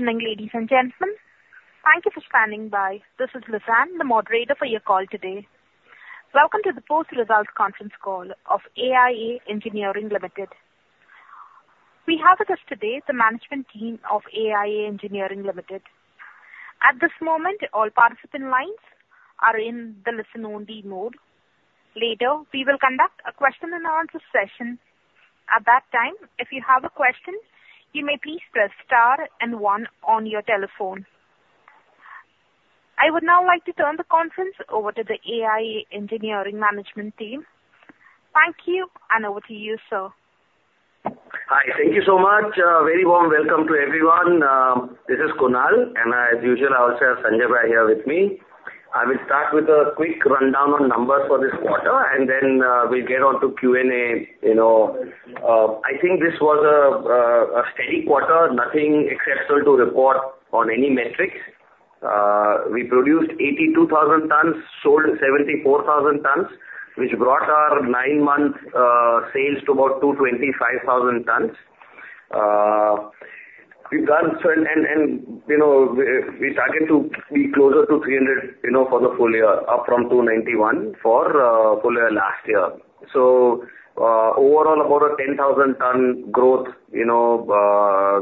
Good evening, ladies and gentlemen. Thank you for standing by. This is Lizanne, the moderator for your call today. Welcome to the post-result conference call of AIA Engineering Limited. We have with us today the management team of AIA Engineering Limited. At this moment, all participant lines are in the listen-only mode. Later, we will conduct a question and answer session. At that time, if you have a question, you may please press star and one on your telephone. I would now like to turn the conference over to the AIA Engineering management team. Thank you, and over to you, sir. Hi. Thank you so much. Very warm welcome to everyone. This is Kunal, and as usual, I also have Sanjay Majmudar here with me. I will start with a quick rundown on numbers for this quarter, and then, we'll get on to Q&A. You know, I think this was a steady quarter, nothing exceptional to report on any metrics. We produced 82,000 tons, sold 74,000 tons, which brought our nine-month sales to about 225,000 tons. We've done so, and, you know, we targeted to be closer to 300, you know, for the full year, up from 291 for full year last year. So, overall, about a 10,000 ton growth, you know,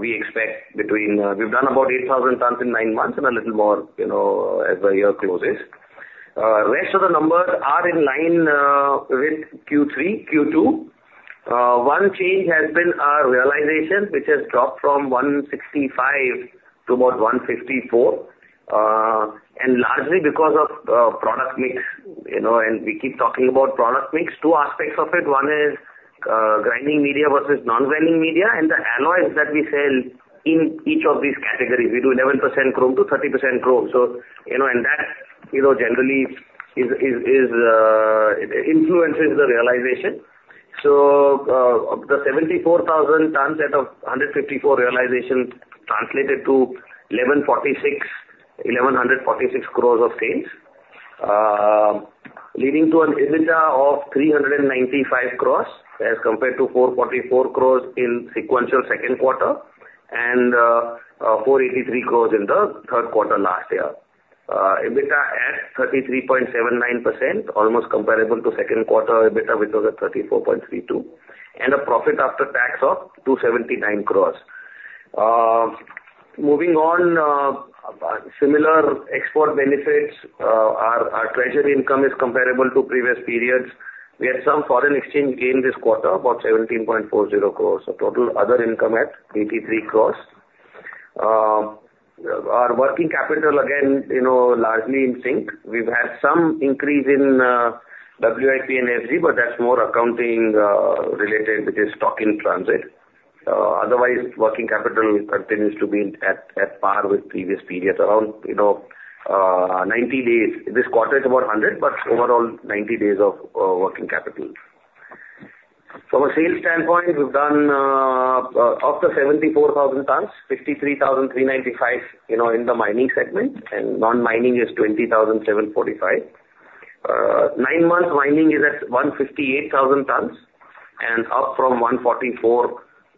we expect between... We've done about 8,000 tons in nine months and a little more, you know, as the year closes. Rest of the numbers are in line with Q3, Q2. One change has been our realization, which has dropped from 165 to about 154, and largely because of product mix, you know, and we keep talking about product mix. Two aspects of it: one is grinding media versus non-grinding media, and the alloys that we sell in each of these categories. We do 11%-30% chrome. So, you know, and that, you know, generally influences the realization. So, the 74,000 tons out of 154 realization translated to 1,146, 1,146 crores of sales. Leading to an EBITDA of 395 crore as compared to 444 crore in sequential second quarter and 483 crores in the third quarter last year. EBITDA at 33.79%, almost comparable to second quarter EBITDA, which was at 34.32%, and a profit after tax of 279 crore. Moving on, similar export benefits, our treasury income is comparable to previous periods. We had some foreign exchange gain this quarter, about 17.40 crore. So total other income at 83 crore. Our working capital, again, you know, largely in sync. We've had some increase in WIP and FG, but that's more accounting related, which is stock in transit. Otherwise, working capital continues to be at par with previous periods around, you know, 90 days. This quarter is about 100, but overall, 90 days of working capital. From a sales standpoint, we've done of the 74,000 tons, 53,395, you know, in the mining segment, and non-mining is 20,745. 9-month mining is at 158,000 tons and up from 144,000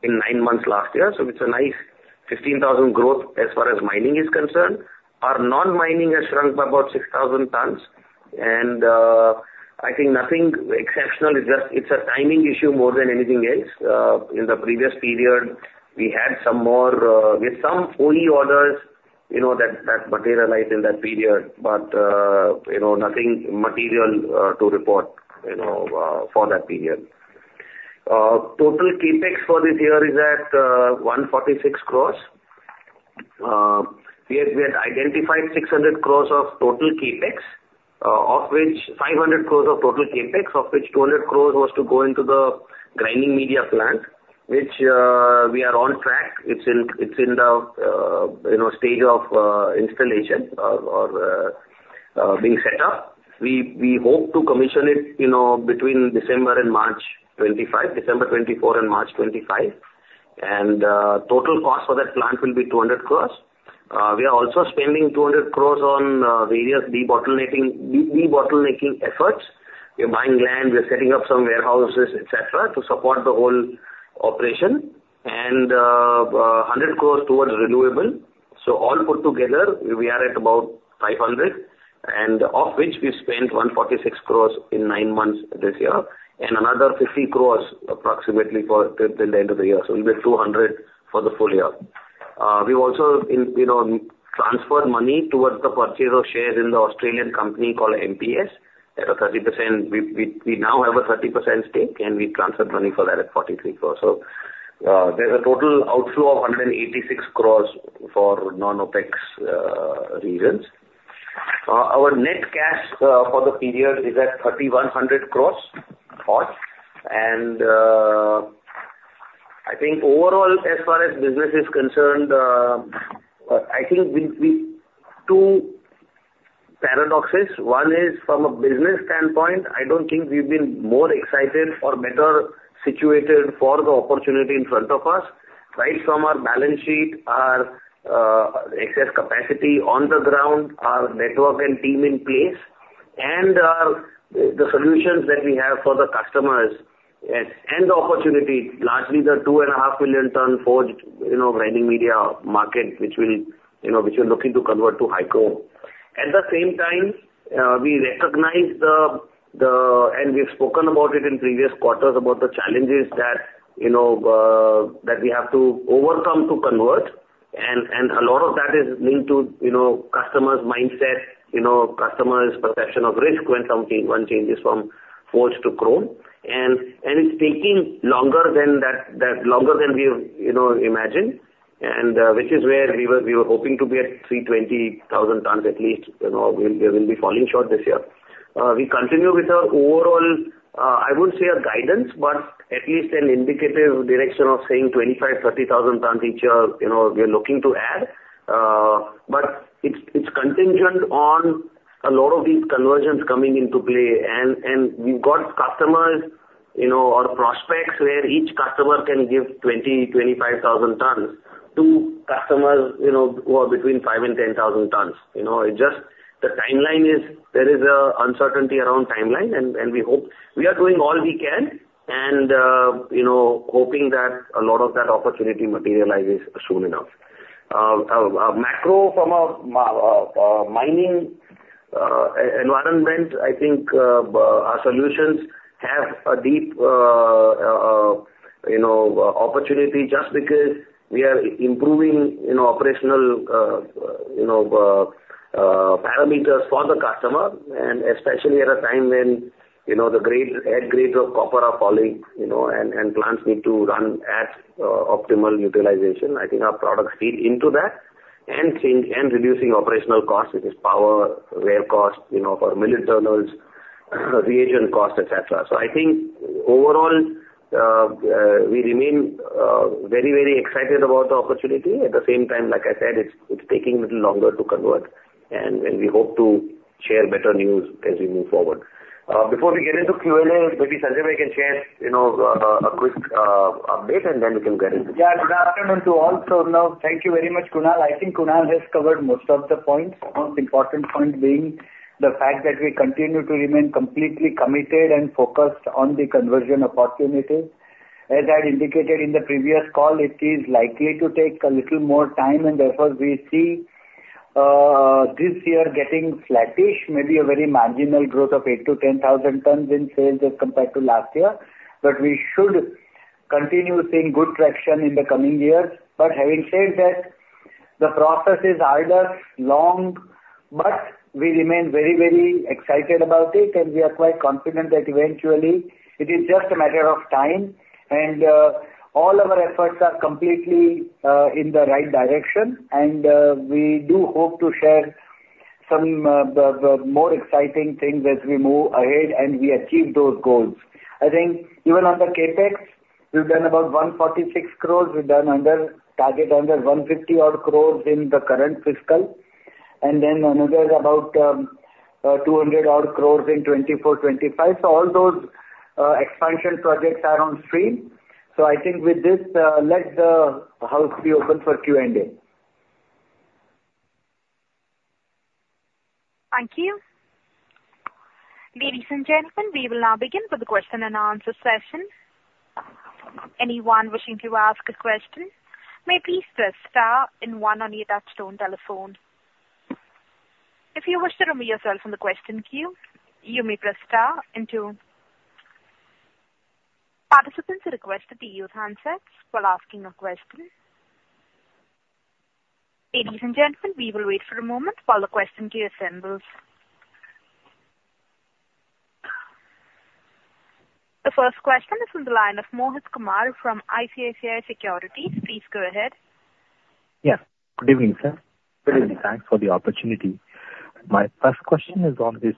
in nine months last year. So it's a nice 15,000 growth as far as mining is concerned. Our non-mining has shrunk by about 6,000 tons, and I think nothing exceptional. It's just, it's a timing issue more than anything else. In the previous period, we had some more with some OE orders, you know, that, that materialized in that period, but you know, nothing material to report, you know, for that period. Total CapEx for this year is at 146 crore. We had identified 600 crores of total CapEx, of which 500 crores of total CapEx, of which 200 crores was to go into the grinding media plant, which we are on track. It's in the, you know, stage of installation or being set up. We hope to commission it, you know, between December and March 2025, December 2024 and March 2025. Total cost for that plant will be 200 crores. We are also spending 200 crores on various debottlenecking efforts. We're buying land, we're setting up some warehouses, et cetera, to support the whole operation. 100 crores towards renewable. So all put together, we are at about 500, and of which we spent 146 crores in nine months this year, and another 50 crores approximately for till the end of the year. So it'll be 200 for the full year. We've also, you know, transferred money towards the purchase of shares in the Australian company called MPM at a 30%... We now have a 30% stake, and we transferred money for that at 43 crores. So there's a total outflow of 186 crores for non-OpEx reasons. Our net cash for the period is at 3,100 crores, odd, and I think overall, as far as business is concerned, I think we— two paradoxes. One is from a business standpoint, I don't think we've been more excited or better situated for the opportunity in front of us, right from our balance sheet, our excess capacity on the ground, our network and team in place, and the solutions that we have for the customers, and the opportunity, largely the 2.5 million ton forged, you know, grinding media market, which will, you know, which we're looking to convert to high chrome. At the same time, we recognize the and we've spoken about it in previous quarters, about the challenges that, you know, that we have to overcome to convert. And a lot of that is linked to, you know, customers' mindset, you know, customers' perception of risk when something one changes from forged to chrome. It's taking longer than that, longer than we have, you know, imagined, and which is where we were hoping to be at 320,000 tons, at least. You know, we will be falling short this year. We continue with our overall, I wouldn't say a guidance, but at least an indicative direction of saying 25,000-30,000 tons each year, you know, we are looking to add. But it's contingent on a lot of these conversions coming into play. And we've got customers, you know, or prospects, where each customer can give 20,000-25,000 tons to customers, you know, who are between 5,000 and 10,000 tons. You know, it just... the timeline is, there is uncertainty around timeline, and we hope. We are doing all we can and, you know, hoping that a lot of that opportunity materializes soon enough. Macro from a mining environment, I think, our solutions have a deep, you know, opportunity, just because we are improving, you know, operational, you know, parameters for the customer, and especially at a time when, you know, the grades, head grades of copper are falling, you know, and plants need to run at optimal utilization. I think our products feed into that, and seeing, and reducing operational costs, which is power, wear cost, you know, for mill internals, reagent costs, et cetera. So I think overall, we remain very, very excited about the opportunity. At the same time, like I said, it's taking a little longer to convert, and we hope to share better news as we move forward. Before we get into Q&A, maybe Sanjay can share, you know, a quick update, and then we can get into. Yeah. Good afternoon to all. So now, thank you very much, Kunal. I think Kunal has covered most of the points. Most important point being the fact that we continue to remain completely committed and focused on the conversion opportunity. As I had indicated in the previous call, it is likely to take a little more time, and therefore, we see this year getting flattish, maybe a very marginal growth of 8,000-10,000 tons in sales as compared to last year. But we should continue seeing good traction in the coming years. But having said that, the process is harder, long, but we remain very, very excited about it, and we are quite confident that eventually it is just a matter of time, and all our efforts are completely in the right direction. We do hope to share some the more exciting things as we move ahead and we achieve those goals. I think even on the CapEx, we've done about 146 crore. We've done under target, under 150 odd crore in the current fiscal, and then another about 200 odd crore in 2024, 2025. So all those expansion projects are on stream. So I think with this, let the house be open for Q&A. Thank you. Ladies and gentlemen, we will now begin with the question-and-answer session. Anyone wishing to ask a question may please press star and one on your touchtone telephone. If you wish to remove yourself from the question queue, you may press star and two. Participants are requested to use handsets while asking a question. Ladies and gentlemen, we will wait for a moment while the question queue assembles. The first question is from the line of Mohit Kumar from ICICI Securities. Please go ahead. Yes. Good evening, sir. Good evening. Thanks for the opportunity. My first question is on this,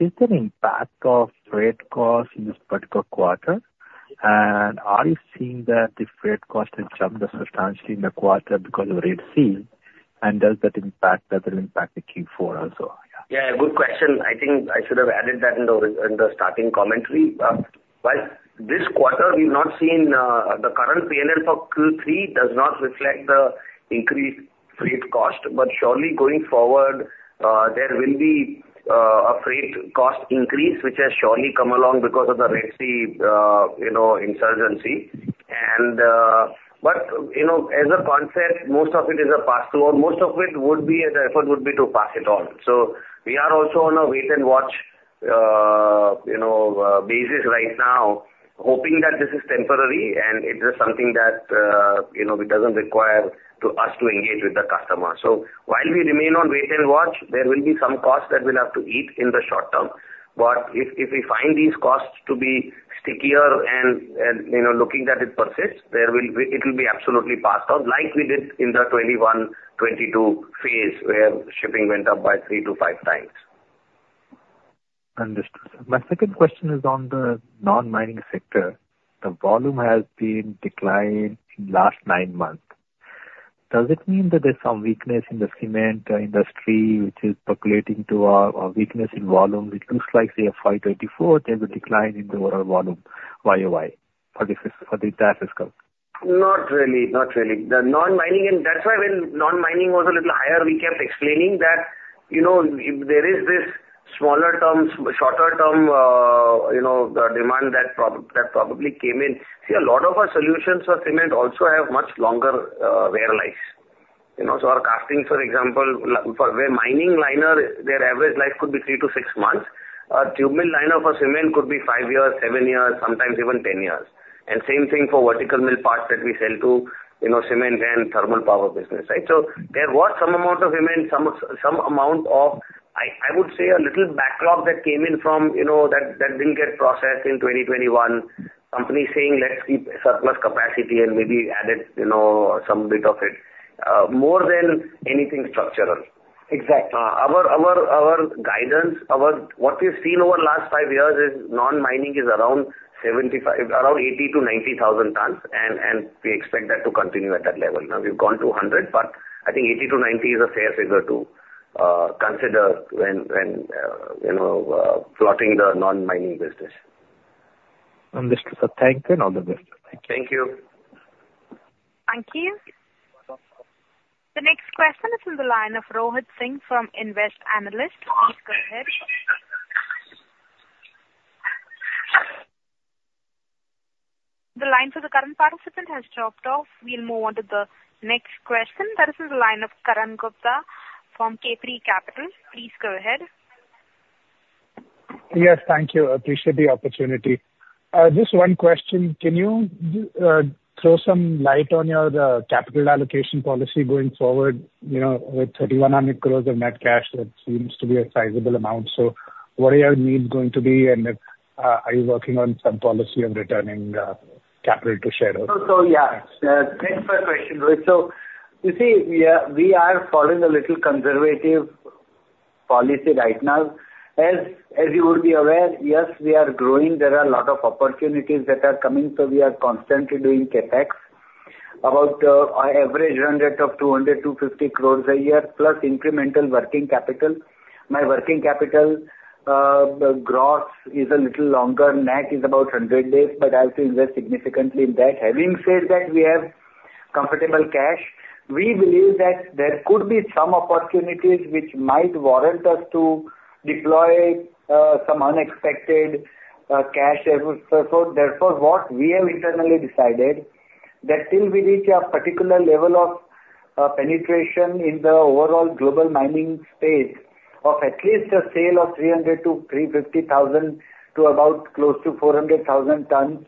is there impact of freight costs in this particular quarter? And are you seeing that the freight cost has jumped substantially in the quarter because of Red Sea, and does that impact, that will impact the Q4 also? Yeah, good question. I think I should have added that in the starting commentary. While this quarter, we've not seen the current PNL for Q3 does not reflect the increased freight cost, but surely going forward, there will be a freight cost increase, which has surely come along because of the Red Sea, you know, insurgency. And, but, you know, as a concept, most of it is a pass-through. Most of it would be, the effort would be to pass it on. So we are also on a wait-and-watch, you know, basis right now, hoping that this is temporary and it is something that, you know, it doesn't require to us to engage with the customer. So while we remain on wait and watch, there will be some costs that we'll have to eat in the short term. If we find these costs to be stickier and, you know, looking that it persists, there will be, it will be absolutely passed on, like we did in the 2021, 2022 phase, where shipping went up by three-five times. Understood. My second question is on the non-mining sector. The volume has been declined last nine months. Does it mean that there's some weakness in the cement industry, which is percolating to a weakness in volume, which looks like the FY 2024, there's a decline in the overall volume YOY for the entire fiscal? Not really, not really. The non-mining, and that's why when non-mining was a little higher, we kept explaining that, you know, if there is this smaller term, shorter term, you know, the demand that that probably came in. See, a lot of our solutions for cement also have much longer wear lives. You know, so our castings, for example, like, for wear mining liner, their average life could be three-six months. Our tube mill liner for cement could be five years, seven years, sometimes even 10 years. And same thing for vertical mill parts that we sell to, you know, cement and thermal power business, right? So there was some amount of demand, some amount of, I would say, a little backlog that came in from, you know, that that didn't get processed in 2021. Companies saying, "Let's keep surplus capacity," and maybe added, you know, some bit of it, more than anything structural. Exactly. Our guidance. What we've seen over the last five years is non-mining is around 75,000, around 80,000-90,000 tones, and we expect that to continue at that level. Now, we've gone to 100,000, but I think 80-90 is a fair figure to consider when you know plotting the non-mining business. Understood, sir. Thank you and all the best. Thank you. Thank you. The next question is on the line of Rohit Singh from Nvest Analytics. Please go ahead. The line for the current participant has dropped off. We'll move on to the next question. That is the line of Karan Gupta from K3 Capital. Please go ahead. Yes, thank you. Appreciate the opportunity. Just one question. Can you throw some light on your, the capital allocation policy going forward, you know, with 3,100 crore of net cash, that seems to be a sizable amount. So what are your needs going to be, and are you working on some policy on returning capital to shareholders? So, so yeah, thanks for the question, Gupta. So you see, we are, we are following a little conservative policy right now. As, as you would be aware, yes, we are growing. There are a lot of opportunities that are coming, so we are constantly doing CapEx about, on average run rate of 200-250 crores a year, plus incremental working capital. My working capital, gross is a little longer. Net is about 100 days, but I have to invest significantly in that. Having said that, we have comfortable cash. We believe that there could be some opportunities which might warrant us to deploy some unexpected cash. So therefore, what we have internally decided, that till we reach a particular level of penetration in the overall global mining space of at least a sale of 300,000-350,000 to about close to 400,000 tonnes,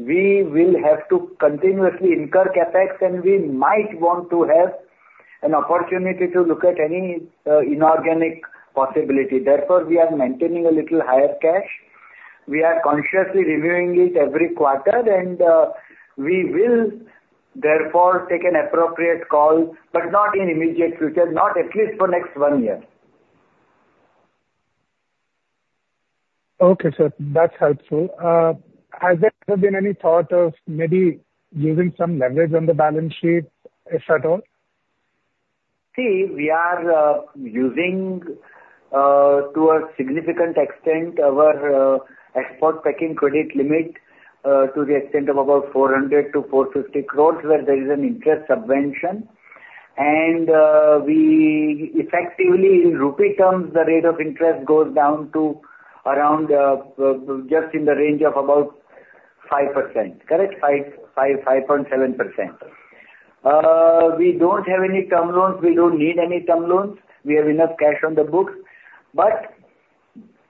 we will have to continuously incur CapEx, and we might want to have an opportunity to look at any inorganic possibility. Therefore, we are maintaining a little higher cash. We are consciously reviewing it every quarter, and we will therefore take an appropriate call, but not in immediate future, not at least for next one year. Okay, sir. That's helpful. Has there been any thought of maybe using some leverage on the balance sheet, if at all? See, we are using to a significant extent our export packing credit limit to the extent of about 400 crore-450 crore, where there is an interest subvention. We effectively, in rupee terms, the rate of interest goes down to around just in the range of about 5%. Correct? five, five, 5.7%. We don't have any term loans. We don't need any term loans. We have enough cash on the books, but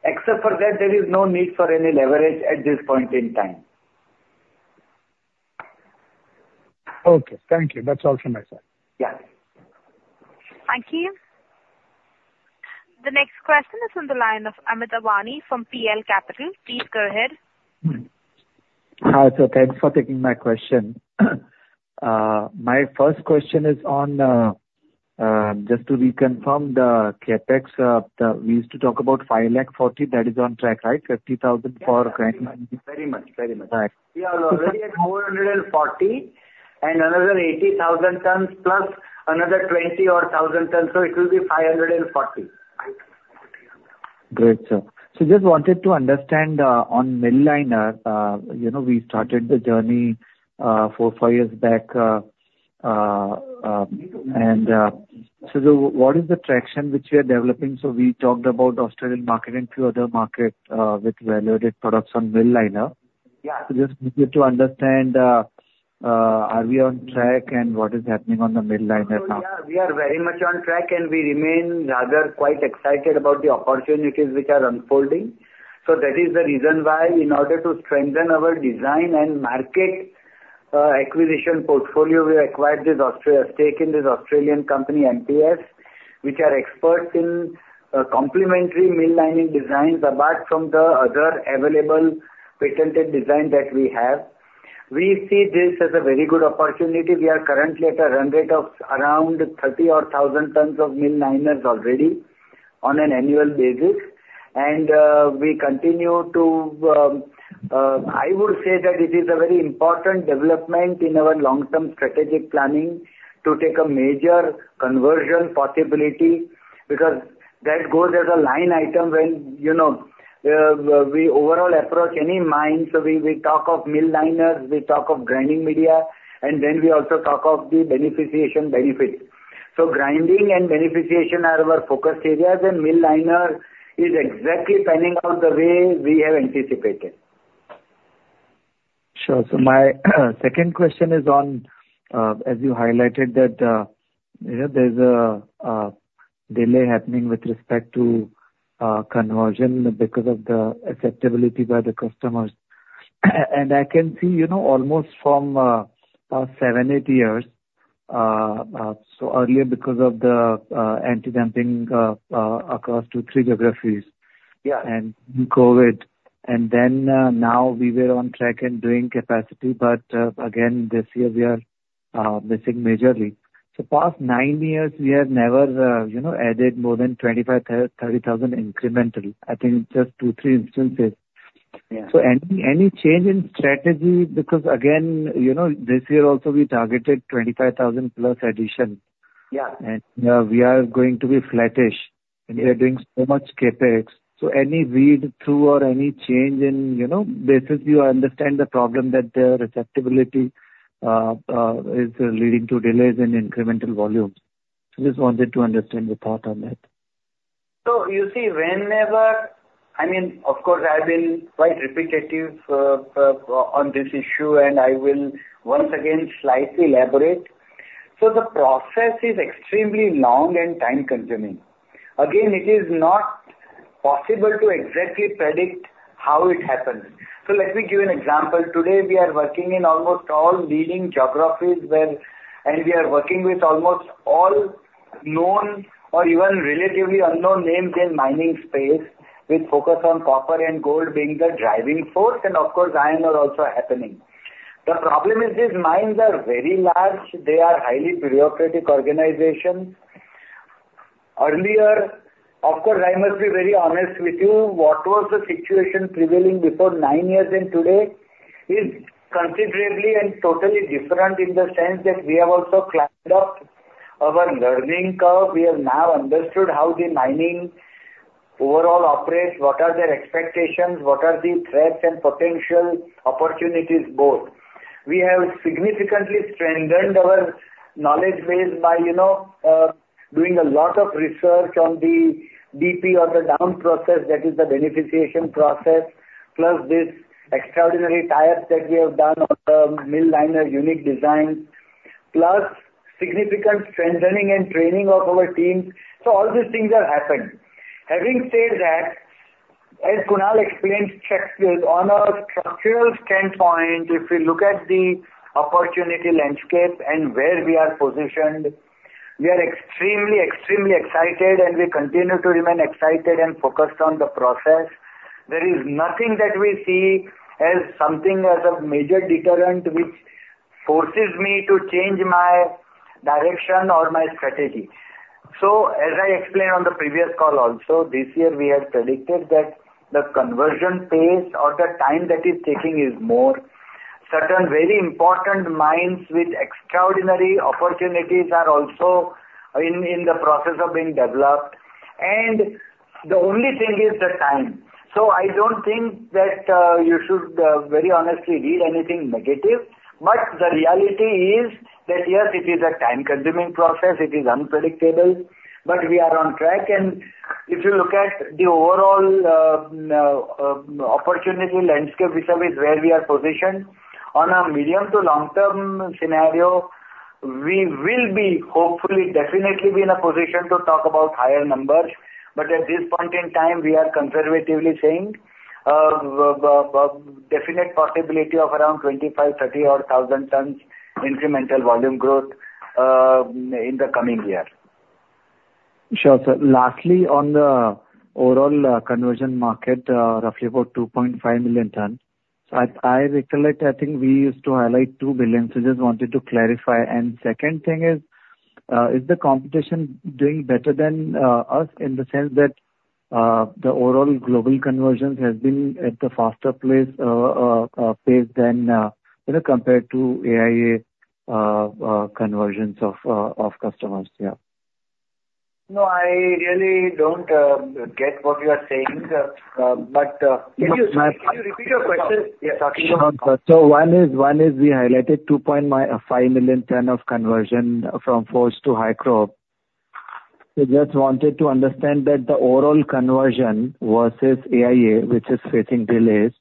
except for that, there is no need for any leverage at this point in time. Okay, thank you. That's all from my side. Yeah. Thank you. The next question is on the line of Amit Anwani from PL Capital. Please go ahead. Hi, sir. Thanks for taking my question. My first question is on just to reconfirm the CapEx. We used to talk about 5 lakh 40. That is on track, right? 50,000 for current. Very much. Very much. Right. We are already at 440, and another 80,000 tons, plus another 20 or 1,000 tons, so it will be 540. Great, sir. So just wanted to understand, on mill liner, you know, we started the journey, four, five years back, and so what is the traction which we are developing? So we talked about Australian market and few other markets, which evaluated products on mill liner. Yeah. So, just need to understand, are we on track, and what is happening on the mill liner now? We are, we are very much on track, and we remain rather quite excited about the opportunities which are unfolding. So that is the reason why, in order to strengthen our design and market acquisition portfolio, we acquired this 30% stake in this Australian company, MPS, which are experts in complementary mill lining designs, apart from the other available patented design that we have. We see this as a very good opportunity. We are currently at a run rate of around 34,000 tones of mill liners already on an annual basis, and we continue to, I would say that it is a very important development in our long-term strategic planning to take a major conversion possibility, because that goes as a line item when, you know... We overall approach any mine, so we, we talk of mill liners, we talk of grinding media, and then we also talk of the beneficiation benefits. So grinding and beneficiation are our focus areas, and mill liner is exactly panning out the way we have anticipated. Sure. So my second question is on, as you highlighted that, you know, there's a delay happening with respect to, conversion because of the acceptability by the customers. And I can see, you know, almost from, about seven-eight years, so earlier because of the, anti-dumping, across two geographies. Yeah. And COVID, and then now we were on track and doing capacity, but again this year we are missing majorly. So past nine years, we have never, you know, added more than 25-30,000 incrementally. I think it's just two-three instances. Yeah. So any change in strategy? Because again, you know, this year also we targeted 25,000 plus addition. Yeah. We are going to be flattish, and we are doing so much CapEx. Any read through or any change in, you know, basically you understand the problem, that the acceptability is leading to delays in incremental volumes. Just wanted to understand your thought on that. So you see, whenever—I mean, of course, I've been quite repetitive on this issue, and I will once again slightly elaborate. So the process is extremely long and time consuming. Again, it is not possible to exactly predict how it happens. So let me give you an example. Today, we are working in almost all leading geographies where—and we are working with almost all known or even relatively unknown names in mining space, with focus on copper and gold being the driving force, and of course, iron ore also happening. The problem is, these mines are very large. They are highly bureaucratic organizations. Earlier, of course, I must be very honest with you, what was the situation prevailing before nine years, and today is considerably and totally different in the sense that we have also climbed up our learning curve. We have now understood how the mining overall operates, what are their expectations, what are the threats and potential opportunities both. We have significantly strengthened our knowledge base by, you know, doing a lot of research on the DP or the down process, that is the beneficiation process, plus this extraordinary trials that we have done on the mill liner unique design, plus significant strengthening and training of our teams. So all these things are happening. Having said that, as Kunal explained, structural, on a structural standpoint, if we look at the opportunity landscape and where we are positioned, we are extremely, extremely excited, and we continue to remain excited and focused on the process. There is nothing that we see as something as a major deterrent, which forces me to change my direction or my strategy. As I explained on the previous call also, this year, we had predicted that the conversion pace or the time that it's taking is more. Certain very important mines with extraordinary opportunities are also in the process of being developed, and the only thing is the time. I don't think that you should very honestly read anything negative, but the reality is that, yes, it is a time-consuming process, it is unpredictable, but we are on track. And if you look at the overall opportunity landscape, vis-à-vis is where we are positioned. On a medium to long-term scenario, we will be hopefully definitely be in a position to talk about higher numbers, but at this point in time, we are conservatively saying definite possibility of around 25,000-30,000-odd tons incremental volume growth in the coming year. Sure, sir. Lastly, on the overall, conversion market, roughly about 2.5 million tons. So I, I recollect, I think we used to highlight 2 billion, so just wanted to clarify. And second thing is, is the competition doing better than, us in the sense that, the overall global conversions has been at a faster place, pace than, you know, compared to AIA, conversions of, of customers, yeah. No, I really don't get what you are saying, but can you, can you repeat your question? Yeah. Sure. So one is we highlighted 2.5 million tons of conversion from forged to high chrome. So just wanted to understand that the overall conversion versus AIA, which is facing delays,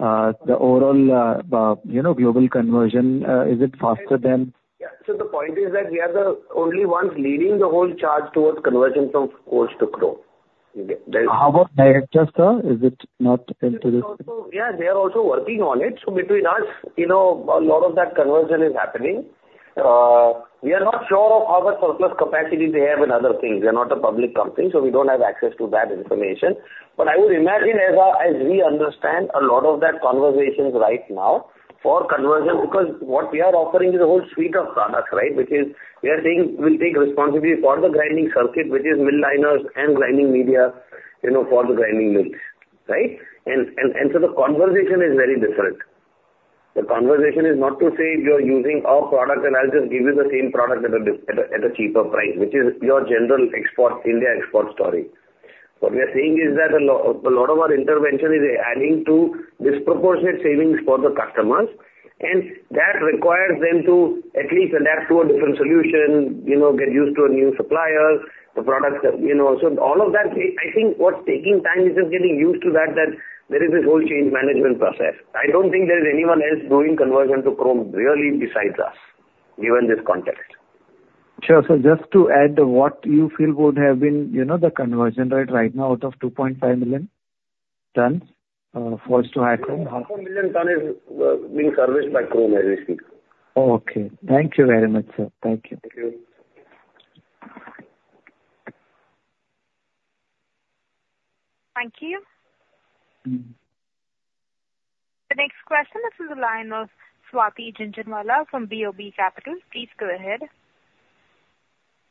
the overall, you know, global conversion, is it faster than. Yeah. So the point is that we are the only ones leading the whole charge towards conversion from forged to high-chrome. Yeah. How about director, sir? Is it not into this? Yeah, they are also working on it. So between us, you know, a lot of that conversion is happening. We are not sure of how much surplus capacity they have in other things. They are not a public company, so we don't have access to that information. But I would imagine as, as we understand, a lot of that conversations right now for conversion, because what we are offering is a whole suite of products, right? Which is we are saying we'll take responsibility for the grinding circuit, which is mill liners and grinding media, you know, for the grinding mills, right? And so the conversation is very different. The conversation is not to say you're using our product, and I'll just give you the same product at a cheaper price, which is your general export, India export story. What we are saying is that a lot of our intervention is adding to disproportionate savings for the customers, and that requires them to at least adapt to a different solution, you know, get used to a new supplier, the products that you know. So all of that, I think what's taking time is just getting used to that there is this whole change management process. I don't think there is anyone else doing conversion to chrome really besides us, given this context. Sure, sir. Just to add, what you feel would have been, you know, the conversion rate right now out of 2.5 million tons, forged to happen? 2.5 million tons is being serviced by chrome as we speak. Okay. Thank you very much, sir. Thank you. Thank you. Thank you. Mm. The next question is from the line of Swati Jhunjhunwala from BOB Capital. Please go ahead.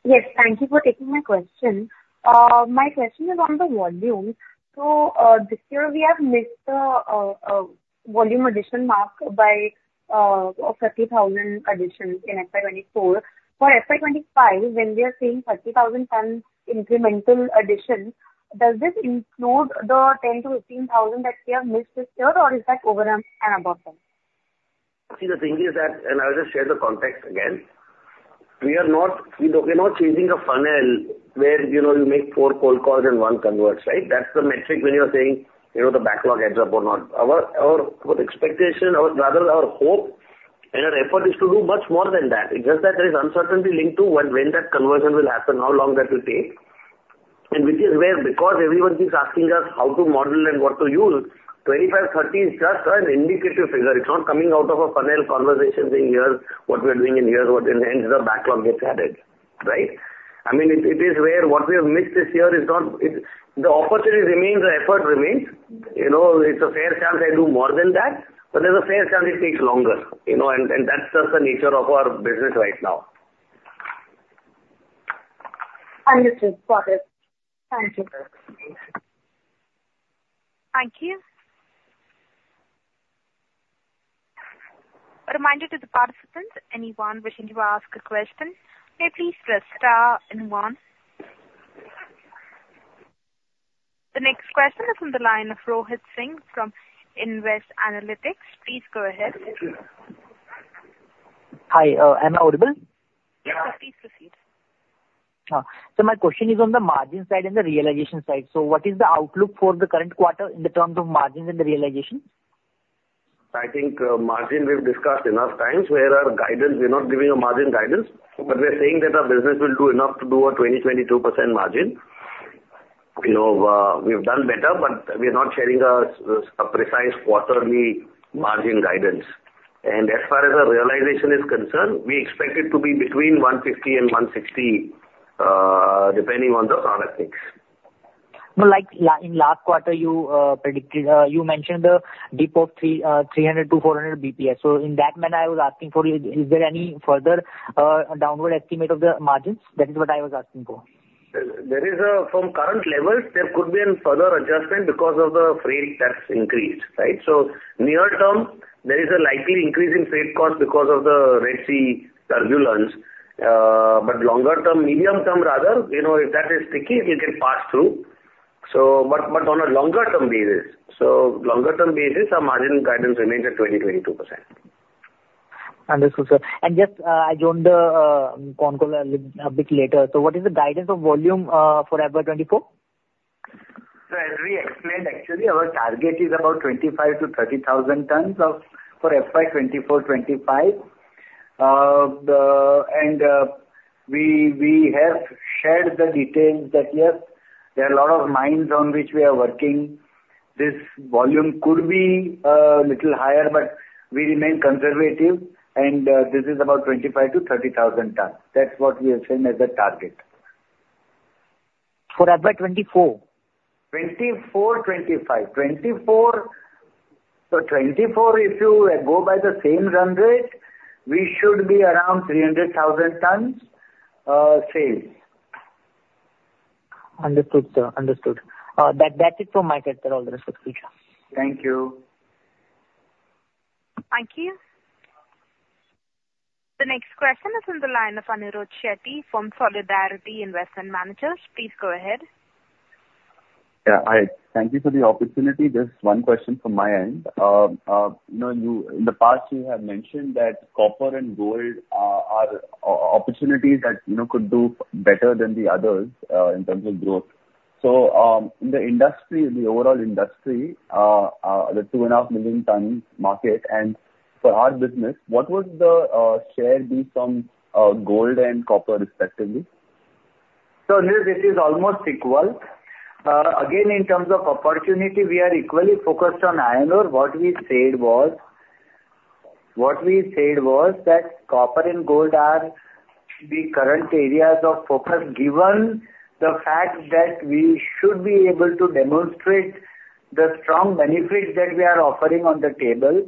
Yes, thank you for taking my question. My question is on the volume. So, this year we have missed the volume addition mark by of 30,000 additions in FY 2024. For FY 2025, when we are seeing 30,000 tons incremental additions, does this include the 10,000-18,000 that we have missed this year, or is that over and above that? See, the thing is that, and I'll just share the context again, we are not, you know, we're not changing the funnel where, you know, you make four cold calls and one converts, right? That's the metric when you're saying, you know, the backlog adds up or not. Our expectation, or rather our hope, and our effort is to do much more than that. It's just that there is uncertainty linked to when that conversion will happen, how long that will take, and which is where, because everyone keeps asking us how to model and what to use, 25, 30 is just an indicative figure. It's not coming out of a funnel conversation, saying, "Here's what we are doing, and here's what..." And the backlog gets added, right? I mean, what we have missed this year is not the opportunity. It remains, the effort remains. You know, it's a fair chance I do more than that, but there's a fair chance it takes longer, you know, and that's just the nature of our business right now. Understood, got it. Thank you. Thank you. A reminder to the participants, anyone wishing to ask a question, may please press star and one. The next question is on the line of Rohit Singh from Nvest Analytics. Please go ahead. Hi, am I audible? Yeah. Please proceed. So my question is on the margin side and the realization side. So what is the outlook for the current quarter in terms of margins and the realization? I think, margin we've discussed enough times, where our guidance, we're not giving a margin guidance, but we are saying that our business will do enough to do a 20-22% margin. You know, we've done better, but we are not sharing a precise quarterly margin guidance. And as far as our realization is concerned, we expect it to be between 150 and 160, depending on the product mix. No, like in last quarter you predicted, you mentioned the EBITDA 300-400 BPS. So in that manner, I was asking for you, is there any further downward estimate of the margins? That is what I was asking for. There, there is, from current levels, there could be a further adjustment because of the freight that's increased, right? So near term, there is a likely increase in freight cost because of the Red Sea turbulence. But longer term, medium term rather, you know, if that is sticky, it can pass through. So, but, but on a longer-term basis, so longer-term basis, our margin guidance remains at 20%-22%. Understood, sir. And just, I joined the conf call a bit later. So what is the guidance of volume for FY 2024? So as we explained, actually, our target is about 25,000-30,000 tons for FY 2024-2025. We have shared the details that, yes, there are a lot of mines on which we are working. This volume could be little higher, but we remain conservative, and this is about 25,000-30,000 tons. That's what we have said as a target. For FY 2024? 2024, 2025. 2024, so 2024, if you go by the same run rate, we should be around 300,000 tons, sales. Understood, sir. Understood. That, that's it from my side. All the best for the future. Thank you. Thank you. The next question is on the line of Anirudh Shetty from Solidarity Investment Managers. Please go ahead. Yeah, hi. Thank you for the opportunity. Just one question from my end. You know, in the past you have mentioned that copper and gold are opportunities that, you know, could do better than the others in terms of growth. So, in the industry, in the overall industry, the 2.5 million-ton market, and for our business, what would the share be from gold and copper respectively? So this is almost equal. Again, in terms of opportunity, we are equally focused on iron ore. What we said was, what we said was that copper and gold are the current areas of focus, given the fact that we should be able to demonstrate the strong benefits that we are offering on the table.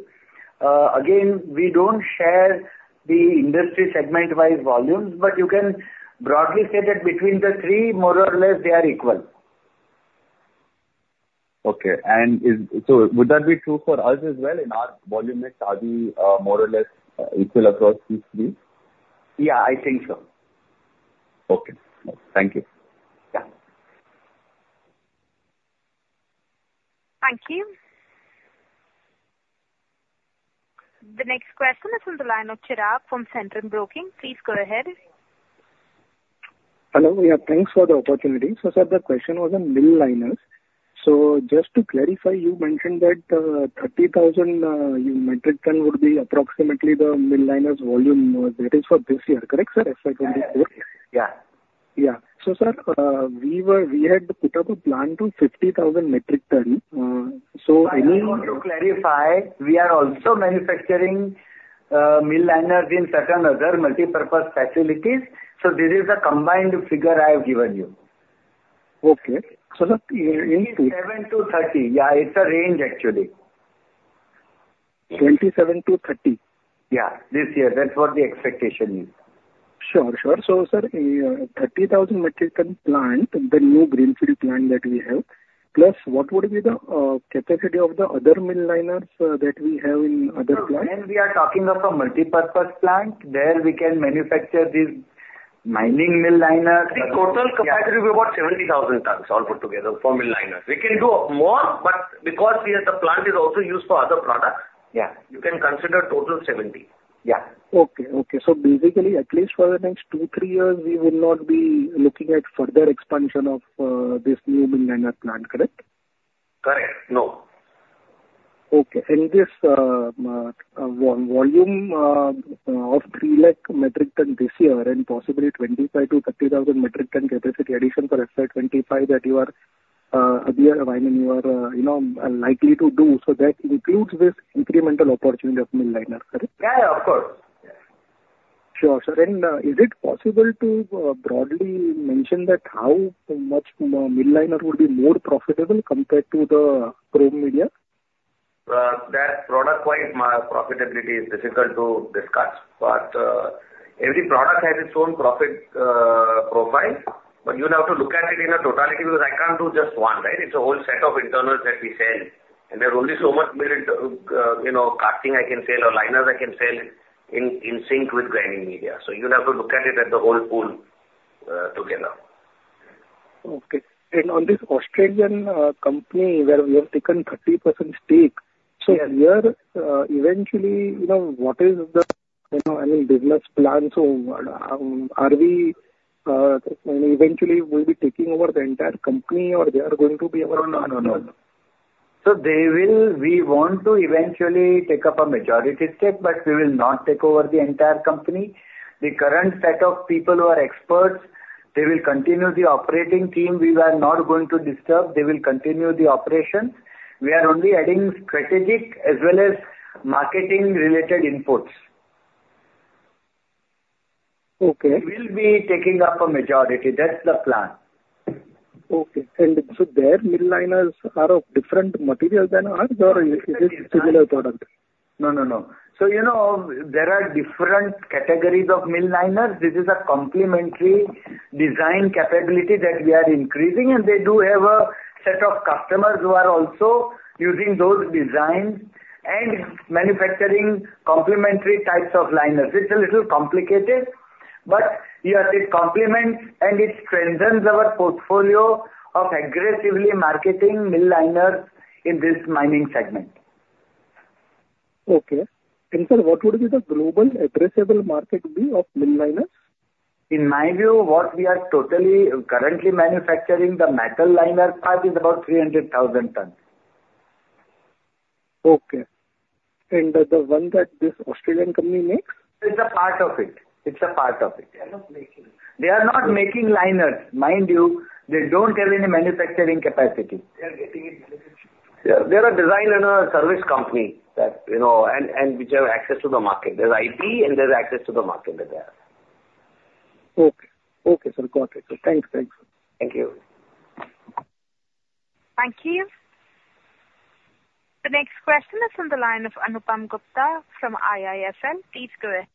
Again, we don't share the industry segment-wise volumes, but you can broadly say that between the three, more or less, they are equal. Okay. And is, so would that be true for us as well? In our volume mix, are we more or less equal across these three? Yeah, I think so. Okay. Thank you. Yeah. Thank you. The next question is on the line of Chirag from Centrum Broking. Please go ahead. Hello, yeah, thanks for the opportunity. So sir, the question was on mill liners. So just to clarify, you mentioned that 30,000 metric tons would be approximately the mill liners volume. That is for this year, correct, sir, FY 2024? Yeah. Yeah. So, sir, we had put up a plan to 50,000 metric tons. So any. I just want to clarify, we are also manufacturing mill liners in certain other multipurpose facilities, so this is a combined figure I have given you. Okay. So the in. Seven-30. Yeah, it's a range, actually. 27 to 30? Yeah. This year, that's what the expectation is. Sure. Sure. So sir, a 30,000 metric ton plant, the new greenfield plant that we have, plus what would be the capacity of the other mill liners that we have in other plants? When we are talking of a multipurpose plant, there we can manufacture these mining mill liners. The total capacity will be about 70,000 tons, all put together, for mill liners. We can do more, but because we have the plant is also used for other products. Yeah. You can consider total 70. Yeah. Okay. Okay. So basically, at least for the next two-three years, we will not be looking at further expansion of this new mill liner plant, correct? Correct. No. Okay. And this, volume, of 300,000 metric tons this year, and possibly 25,000-30,000 metric tons capacity addition for FY 2025, that you are, I mean, you are, you know, likely to do, so that includes this incremental opportunity of mill liners, correct? Yeah, of course. Yeah. Sure, sir. And, is it possible to, broadly mention that how much mill liner would be more profitable compared to the grinding media? That product wise, profitability is difficult to discuss, but every product has its own profit profile, but you'll have to look at it in a totality, because I can't do just one, right? It's a whole set of internals that we sell, and there's only so much mill, you know, casting I can sell or liners I can sell in sync with grinding media. So you'll have to look at it as the whole pool together. Okay. And on this Australian company where we have taken 30% stake. Yeah. So here, eventually, you know, what is the, you know, I mean, business plan? So, are we eventually will be taking over the entire company or they are going to be our own owner? No, no, no. So they will... We want to eventually take up a majority stake, but we will not take over the entire company. The current set of people who are experts, they will continue the operating team. We were not going to disturb. They will continue the operations. We are only adding strategic as well as marketing related inputs. Okay. We'll be taking up a majority. That's the plan. Okay. Their mill liners are of different material than ours, or is this similar product? No, no, no. So, you know, there are different categories of mill liners. This is a complementary design capability that we are increasing, and they do have a set of customers who are also using those designs and manufacturing complementary types of liners. It's a little complicated, but yes, it complements and it strengthens our portfolio of aggressively marketing mill liners in this mining segment. Okay. Sir, what would be the global addressable market of mill liners? In my view, what we are totally currently manufacturing, the metal liner part, is about 300,000 tons. Okay. And the one that this Australian company makes? It's a part of it. It's a part of it. They are not making. They are not making liners. Mind you, they don't have any manufacturing capacity. They are getting it delivered. They are a design and a service company that, you know, and which have access to the market. There's IP and there's access to the market that they have. Okay. Okay, sir. Got it. So thanks. Thank you. Thank you. Thank you. The next question is on the line of Anupam Gupta from IIFL. Please go ahead.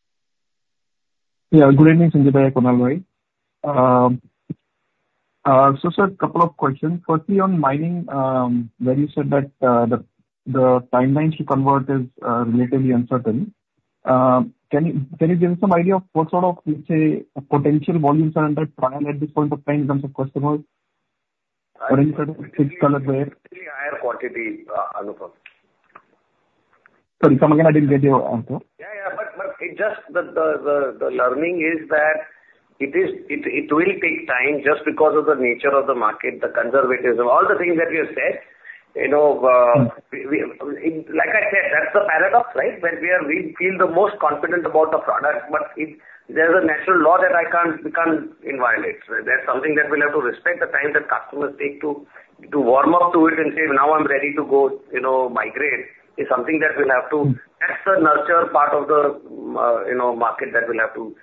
Yeah, good evening, Sanjay Majmudar. So sir, a couple of questions. Firstly, on mining, where you said that the timeline to convert is relatively uncertain. Can you give some idea of what sort of, let's say, potential volumes are under trial at this point of time in terms of customers, or instead of which color where? Higher quantity, Anupam. Sorry, come again? I didn't get you on so. Yeah, yeah. But the learning is that it will take time just because of the nature of the market, the conservatism, all the things that you said. You know, like I said, that's the paradox, right? Where we are, we feel the most confident about the product, but there's a natural law that we can't violate. That's something that we'll have to respect the time that customers take to warm up to it and say: Now I'm ready to go, you know, migrate. It's something that we'll have to... That's the nurture part of the market that we'll have to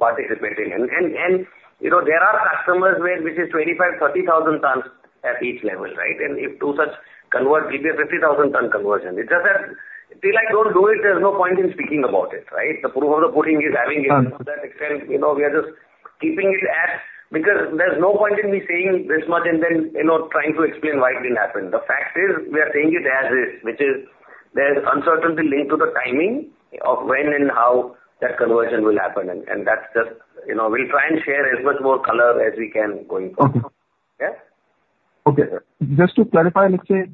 participate in. And, you know, there are customers where, which is 25, 30,000 tons at each level, right? If two such convert, it is a 50,000-ton conversion. It's just that.... till I don't do it, there's no point in speaking about it, right? The proof of the pudding is having it. To that extent, you know, we are just keeping it at, because there's no point in me saying this much and then, you know, trying to explain why it didn't happen. The fact is, we are saying it as is, which is there's uncertainty linked to the timing of when and how that conversion will happen. And, and that's just, you know, we'll try and share as much more color as we can going forward. Okay. Yeah. Okay. Just to clarify, let's say,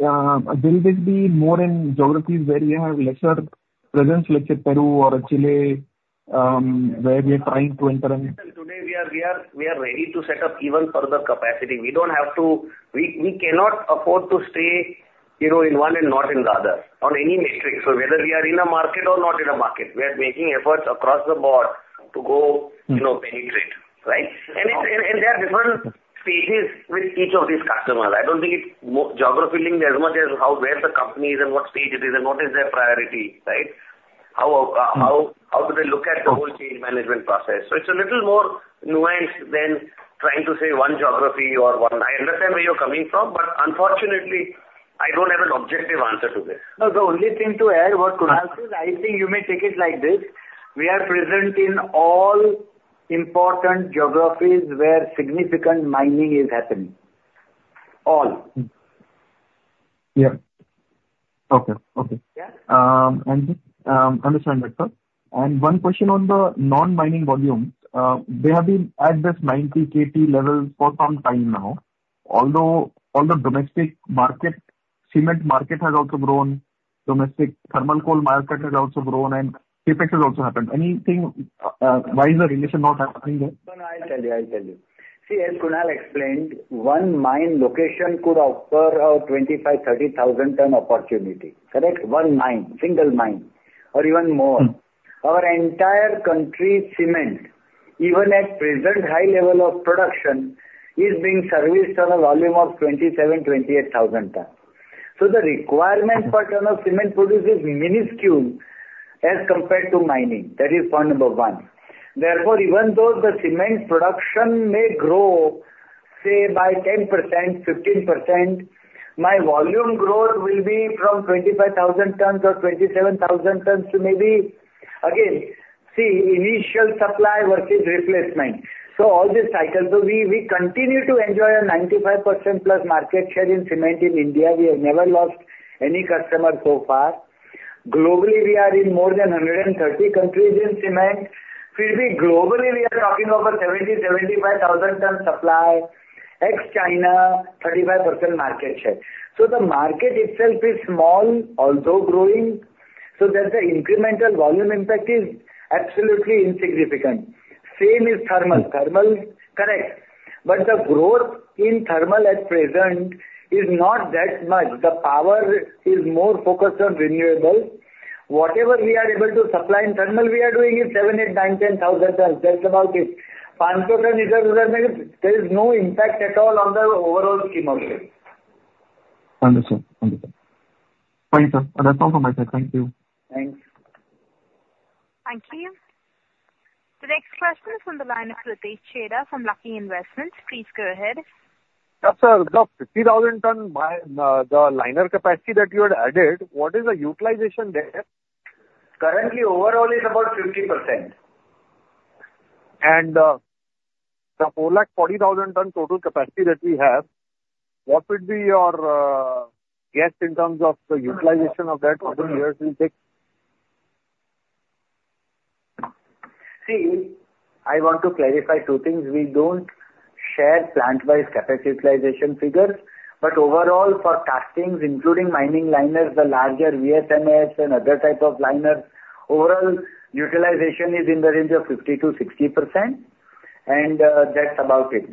will this be more in geographies where you have lesser presence, like say Peru or Chile, where we are trying to enter in? Today, we are ready to set up even further capacity. We don't have to. We cannot afford to stay, you know, in one and not in the other, on any matrix. So whether we are in a market or not in a market, we are making efforts across the board to go, you know, penetrate, right? Okay. And there are different stages with each of these customers. I don't think it's more geography linked as much as how, where the company is and what stage it is, and what is their priority, right? How do they look at the whole change management process? So it's a little more nuanced than trying to say one geography or one... I understand where you're coming from, but unfortunately, I don't have an objective answer to this. No, the only thing to add what Kunal said, I think you may take it like this: We are present in all important geographies where significant mining is happening. All. Yeah. Okay, okay. Yeah. Understand that, sir. One question on the non-mining volume, they have been at this 90 KT level for some time now, although on the domestic market, cement market has also grown, domestic thermal coal market has also grown, and CapEx has also happened. Anything, why is the reduction not happening there? No, I'll tell you, I'll tell you. See, as Kunal explained, one mine location could offer a 25,000-30,000 ton opportunity. Correct? One mine, single mine, or even more. Mm. Our entire country's cement, even at present high level of production, is being serviced on a volume of 27-28,000 tons. So the requirement per ton of cement produces minuscule as compared to mining. That is point number one. Therefore, even though the cement production may grow, say, by 10%, 15%, my volume growth will be from 25,000 tons or 27,000 tons to maybe, again, see, initial supply versus replacement. So all this cycle. So we, we continue to enjoy a 95%+ market share in cement in India. We have never lost any customer so far. Globally, we are in more than 130 countries in cement. Still, globally, we are talking of a 70-75,000 ton supply, ex China, 35% market share. So the market itself is small, although growing, so there's the incremental volume impact is absolutely insignificant. Same is thermal. Thermal, correct, but the growth in thermal at present is not that much. The power is more focused on renewable. Whatever we are able to supply in thermal, we are doing is 7,000-10,000 tons. That's about it. 5%, there is no impact at all on the overall scheme of it. Understood. Understood. Fine, sir. That's all from my side. Thank you. Thanks. Thank you. The next question is from the line of Pritesh Chheda from Lucky Investments. Please go ahead. Yeah, sir, the 50,000-ton mine, the liner capacity that you had added, what is the utilization there? Currently, overall is about 50%. The 440,000-ton total capacity that we have, what would be your guess in terms of the utilization of that, how many years it will take? See, I want to clarify two things. We don't share plant-wise capacity utilization figures, but overall, for castings, including mining liners, the larger VSMs and other type of liners, overall utilization is in the range of 50%-60%, and that's about it.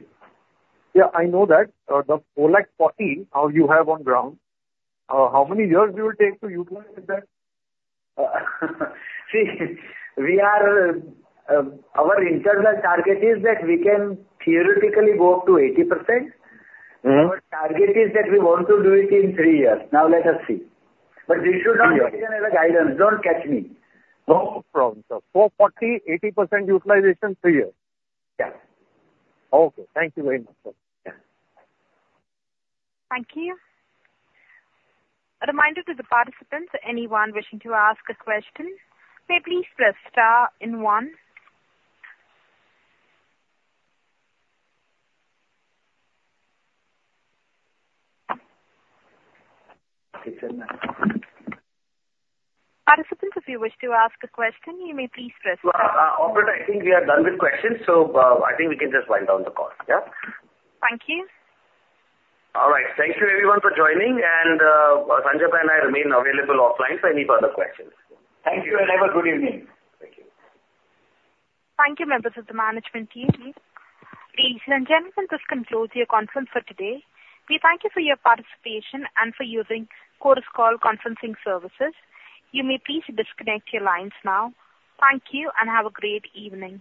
Yeah, I know that. The 4 lakh 40, how you have on ground, how many years it will take to utilize that? See, we are, our internal target is that we can theoretically go up to 80%. Mm-hmm. Our target is that we want to do it in three years. Now, let us see. But this should not. Sure. Be taken as a guidance. Don't catch me. No problem, sir. 440, 80% utilization, three years. Yeah. Okay. Thank you very much, sir. Yeah. Thank you. A reminder to the participants, anyone wishing to ask a question, may please press star and one. Participants, if you wish to ask a question, you may please press. Operator, I think we are done with questions, so, I think we can just wind down the call. Yeah? Thank you. All right. Thank you everyone for joining, and Sanjay and I remain available offline for any further questions. Thank you, and have a good evening. Thank you. Thank you, members of the management team. Ladies and gentlemen, this concludes your conference for today. We thank you for your participation and for using Chorus Call conferencing services. You may please disconnect your lines now. Thank you, and have a great evening.